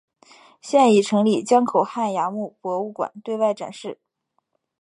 现已成立江口汉崖墓博物馆对外展示。